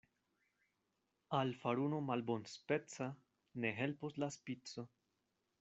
Al faruno malbonspeca ne helpos la spico.